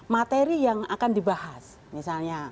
jadi yang akan dibahas misalnya